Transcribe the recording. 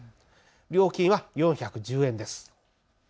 料金は４１０円です。